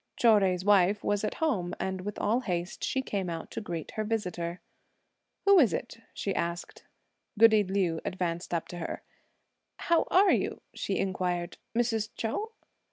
Chou Jui's wife was at home, and with all haste she came out to greet her visitor. "Who is it?" she asked. Goody Liu advanced up to her. "How are you," she inquired, "Mrs. Chou?"